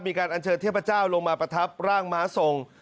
อันเชิญเทพเจ้าลงมาประทับร่างม้าทรง